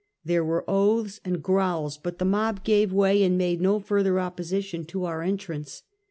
There were oaths and growls, but the mob gave way, and made no further opposi tion to our entrance.